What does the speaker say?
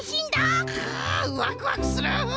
くワクワクする！